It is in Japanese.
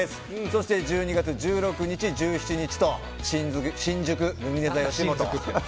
そして、１２月１６日、１７日と新宿ルミネｔｈｅよしもと。